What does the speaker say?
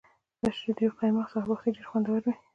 د شیدو قیماق سهار وختي ډیر خوندور وي.